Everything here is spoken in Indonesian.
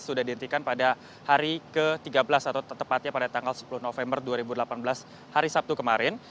sudah dihentikan pada hari ke tiga belas atau tepatnya pada tanggal sepuluh november dua ribu delapan belas hari sabtu kemarin